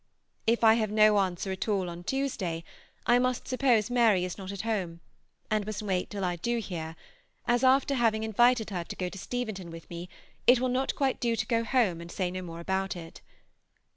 If I have no answer at all on Tuesday, I must suppose Mary is not at home, and must wait till I do hear, as after having invited her to go to Steventon with me, it will not quite do to go home and say no more about it.